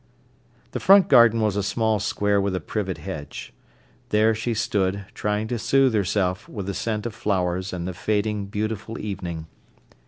The front garden was a small square with a privet hedge. There she stood, trying to soothe herself with the scent of flowers and the fading, beautiful evening.